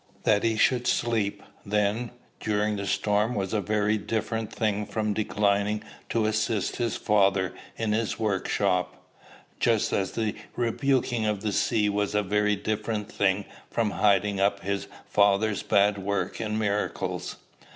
"That he should sleep, then, during the storm was a very different thing from declining to assist his father in his workshop; just as the rebuking of the sea was a very different thing from hiding up his father's bad work in miracles.